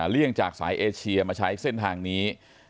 เลี่ยงจากสายเอเชียมาใช้เส้นทางนี้